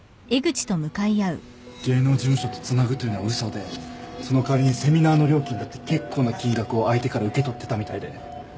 芸能事務所とつなぐというのは嘘でその代わりにセミナーの料金だって結構な金額を相手から受け取ってたみたいで。